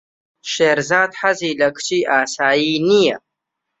شێرزاد حەزی لە کچی ئاسایی نییە.